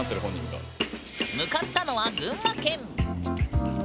向かったのは群馬県。